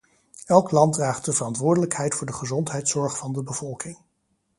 Elk land draagt de verantwoordelijkheid voor de gezondheidszorg van de bevolking.